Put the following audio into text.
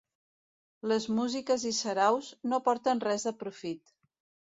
Les músiques i saraus no porten res de profit.